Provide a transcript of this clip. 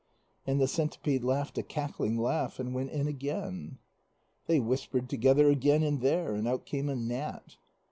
And the centipede laughed a cackling laugh and went in again. They whispered together again in there, and out came a gnat.